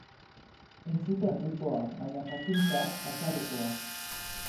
Entzute handikoa, baina jakintza azalekoa.